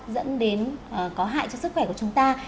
dẫn đến có hại cho sức khỏe của chúng ta